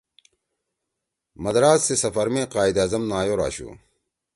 مدراس سی سفر می قائداعظم نایور آشُو